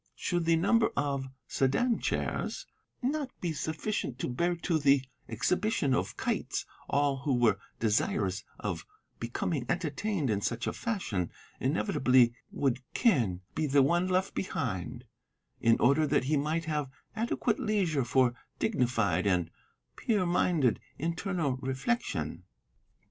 Should the number of sedan chairs not be sufficient to bear to the Exhibition of Kites all who were desirous of becoming entertained in such a fashion, inevitably would Quen be the one left behind, in order that he might have adequate leisure for dignified and pure minded internal reflexion.